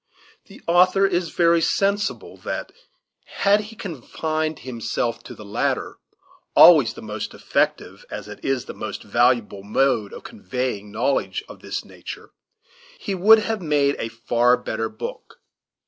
The author is very sensible that, had he confined himself to the latter, always the most effective, as it is the most valuable, mode of conveying knowledge of this nature, he would have made a far better book.